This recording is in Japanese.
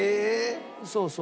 そうそう。